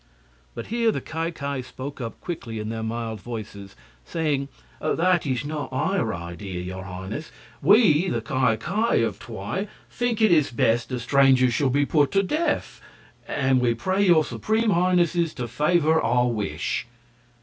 But here the Ki Ki spoke up quickly in their mild voices, saying: "That is not our idea, your Highnesses. We, the Ki Ki of Twi, think it best the strangers should be put to death. And we pray your Supreme Highnesses to favor our wish."